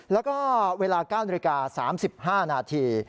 แล้วก็เวลา๙นาฬิกา๓๕นาที